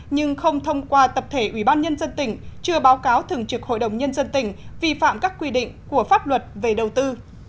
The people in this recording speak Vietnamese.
nhưng không thông qua tập thể ủy ban nhân dân tỉnh chưa báo cáo thường trực hội đồng nhân dân tỉnh vi phạm các quy định của pháp luật về đầu tư